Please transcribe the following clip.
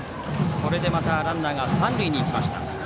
これでまたランナーが三塁に行きました。